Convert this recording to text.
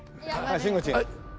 しんごちん。